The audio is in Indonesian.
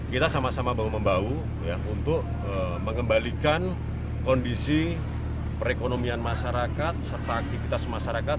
kita sama sama bahu membahu untuk mengembalikan kondisi perekonomian masyarakat serta aktivitas masyarakat